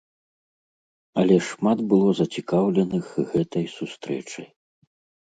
Але шмат было зацікаўленых гэтай сустрэчай.